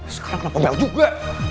sekarang kenapa bel juga